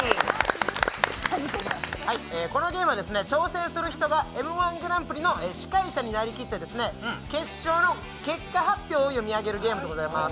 このゲームは、挑戦する人がＭ−１グランプリの司会者になりきって決勝の結果発表を読み上げるゲームでございます。